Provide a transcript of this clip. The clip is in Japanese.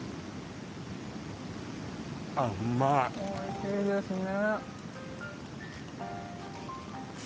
おいしいですね